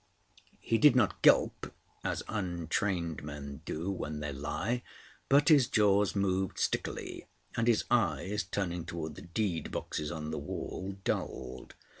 He did not gulp as untrained men do when they lie, but his jaws moved stickily, and his eyes, turning towards the deed boxes on the wall, dulled.